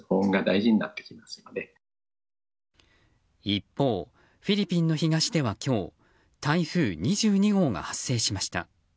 一方、フィリピンの東では今日台風２２号が発生しました。